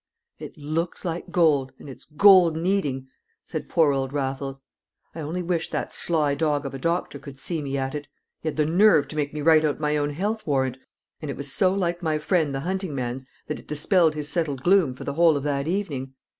"It looks like gold, and it's golden eating," said poor old Raffles. "I only wish that sly dog of a doctor could see me at it! He had the nerve to make me write out my own health warrant, and it was so like my friend the hunting man's that it dispelled his settled gloom for the whole of that evening.